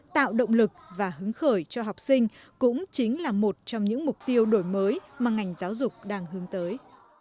tạo động lực và hứng khởi cho học sinh cũng chính là một trong những mục tiêu đổi mới mà ngành giáo dục đang hướng tới